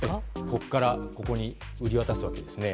ここからここに売り渡すわけですね。